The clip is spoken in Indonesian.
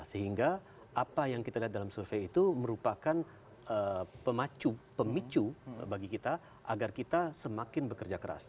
sehingga apa yang kita lihat dalam survei itu merupakan pemicu bagi kita agar kita semakin bekerja keras